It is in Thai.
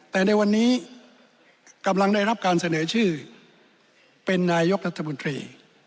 แต่ในวันนี้กำลังได้รับการเสนอชื่อเป็นนายกรัฐมนตรี